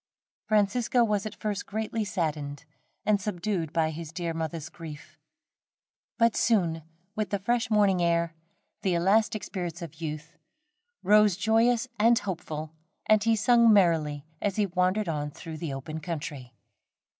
Francisco was at first greatly saddened and subdued by his dear mother's grief; but soon with the fresh morning air, the elastic spirits of youth, rose joyous and hopeful, and he sung merrily as he wandered on through the open country.